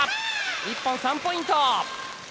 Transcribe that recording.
１本、３ポイント！